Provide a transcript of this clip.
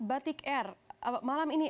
batik air malam ini